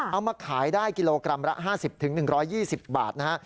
เอามาขายได้กิโลกรัมละ๕๐๑๒๐บาทนะฮะ